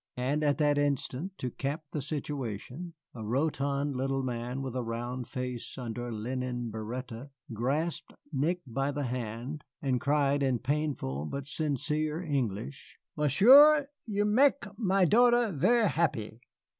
And at that instant, to cap the situation, a rotund little man with a round face under a linen biretta grasped Nick by the hand, and cried in painful but sincere English: "Monsieur, you mek my daughter ver' happy.